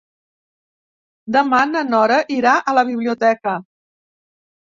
Demà na Nora irà a la biblioteca.